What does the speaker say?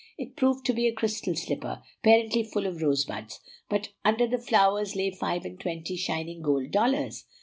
It proved to be a crystal slipper, apparently full of rosebuds; but under the flowers lay five and twenty shining gold dollars.